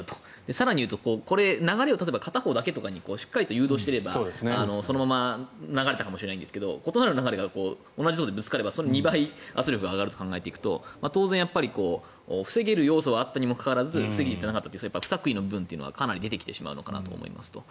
更に言うとこれ、流れを例えば片方だけとかしっかり誘導していればそのまま流れたかもしれないんですが異なる流れが同じところでぶつかれば２倍、圧力が上がると考えると当然、防げる要素があったにもかかわらず防げなかったという不作為の部分がかなり出てきてしまうのかなと思います。